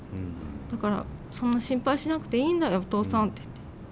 「だからそんな心配しなくていいんだよお父さん」って言って。